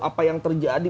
apa yang terjadi